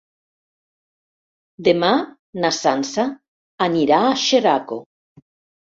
Demà na Sança anirà a Xeraco.